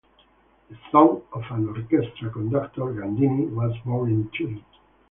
The son of an orchestra conductor, Gandini was born in Turin.